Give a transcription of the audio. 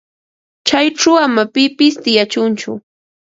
Chayćhu ama pipis tiyachunchu.